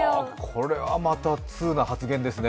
これはまたツウな発言ですね。